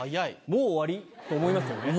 もう終わり？と思いますよね。